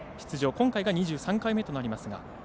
今回が２３回目となりますが。